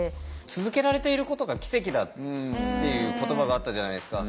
続けられていることが奇跡だっていう言葉があったじゃないですか。